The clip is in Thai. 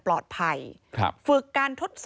พบหน้าลูกแบบเป็นร่างไร้วิญญาณ